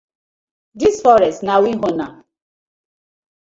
Dis forest na we own.